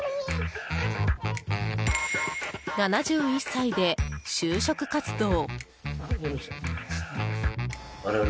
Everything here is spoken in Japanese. ７１歳で就職活動。